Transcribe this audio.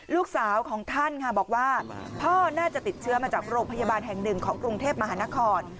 ลูกสาวของท่านค่ะบอกว่าพ่อน่าจะติดเชื้อมาจากโรงพยาบาลแห่งหนึ่งของกรุงเทพมหานคร